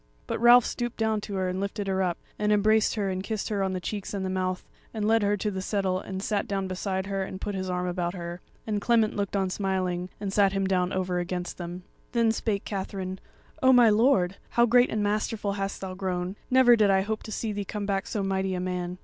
But Ralph stooped down to her, and lifted her up, and embraced her and kissed her on the cheeks and the mouth, and led her to the settle and sat down beside her and put his arm about her; and Clement looked on smiling, and sat him down over against them. Then spake Katherine: "O my lord! how great and masterful hast thou grown; never did I hope to see thee come back so mighty a man."